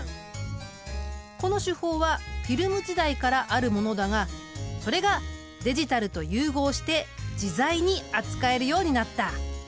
この手法はフィルム時代からあるものだがそれがデジタルと融合して自在に扱えるようになった。